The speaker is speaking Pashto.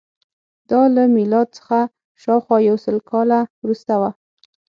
دا له میلاد څخه شاوخوا یو سل کاله وروسته وه